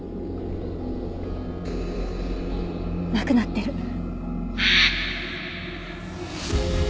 亡くなってる。